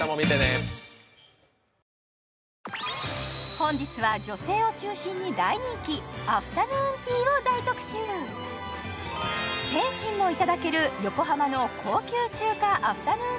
本日は女性を中心に大人気アフタヌーンティーを大特集点心もいただける横浜の高級中華アフタヌーン